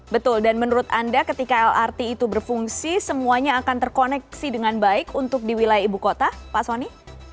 betul dan menurut anda ketika lrt itu berfungsi semuanya akan terkoneksi dengan baik untuk di wilayah ibu kota pak soni